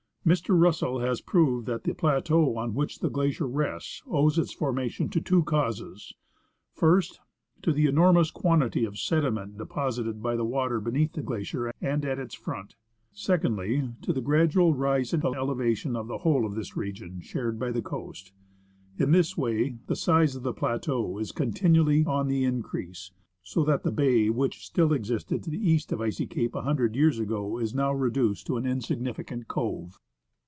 Mr. Russell has proved that the plateau on which the glacier rests owes its formation to two causes : first, to the enormous quantity of sediment deposited by the water beneath the glacier and at its front ; secondly, to the gradual rise in the elevation of the whole of this region, shared by the coast. In this way the size of the plateau is continually on the increase, so that the bay which still existed to the east of Icy Cape a hundred years ago is now reduced to an insignificant cove.